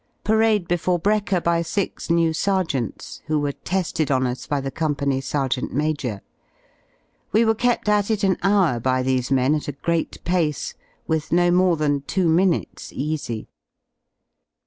Parade before brekker by six new sergeants, who were te^ed on us by the Company Sergeant Major. We were kept at it an hour by these men at a great pace, with no more than two minutes "easy."